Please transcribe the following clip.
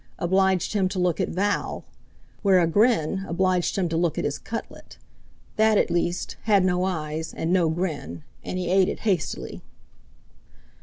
obliged him to look at Val, where a grin obliged him to look at his cutlet—that, at least, had no eyes, and no grin, and he ate it hastily.